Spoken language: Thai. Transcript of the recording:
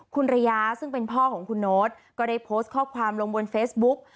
คุณระยาซึ่งเป็นพ่อของคุณโน๊ตก็ได้โพสต์ข้อความลงบนเฟซบุ๊ก